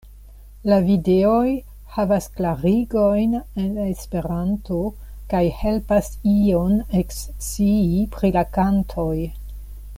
La videoj havas klarigojn en Esperanto kaj helpas ion ekscii pri la kantoj.